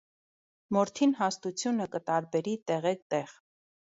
Մորթին հաստութիւնը կը տարուբերի տեղէ տեղ։